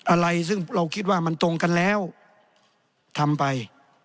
อะไรซึ่งเราคิดว่ามันตรงกันแล้วทำไป